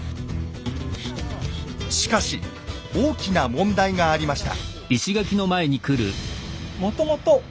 しかし大きな問題がありました。